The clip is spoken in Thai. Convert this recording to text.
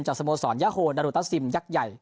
สโมสรยาโฮดารุตัสซิมยักษ์ใหญ่